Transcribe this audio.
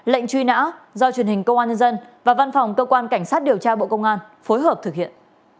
lệnh truy nã do truyền hình công an nhân dân và văn phòng cơ quan cảnh sát điều tra bộ công an phối hợp thực hiện